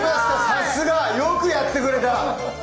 さすがよくやってくれた。